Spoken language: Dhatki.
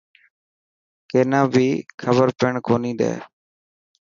ڪينا بي خبر پيڻ ڪوني ڏي.